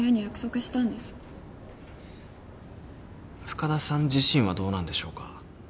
深田さん自身はどうなんでしょうか？